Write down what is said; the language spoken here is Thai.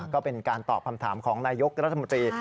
ก็เป็นการตอบคำถามของนายกรัฐมนตรี